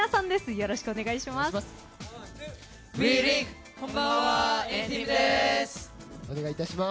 よろしくお願いします。